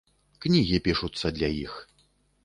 Кнігі пішуцца для іх.